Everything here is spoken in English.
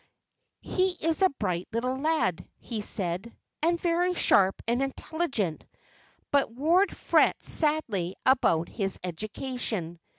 'He is a bright little lad,' he said, 'and very sharp and intelligent; but Ward frets sadly about his education.